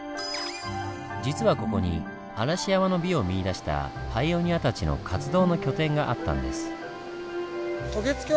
実はここに嵐山の美を見いだしたパイオニアたちの活動の拠点があったんです。